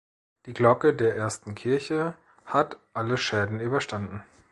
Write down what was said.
Die Glocke der ersten Kirche hat alle Schäden überstanden.